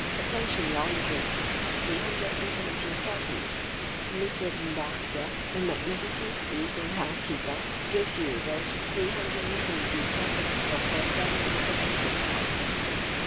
Attention while you drink! three hundred and seventeen fathoms! and Monsieur Bombarda, the magnificent eating house keeper, gives you those three hundred and seventeen fathoms for four francs and fifty centimes."